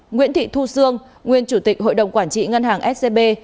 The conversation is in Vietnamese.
nguyễn thị thu sương nguyên chủ tịch hội đồng quản trị ngân hàng scb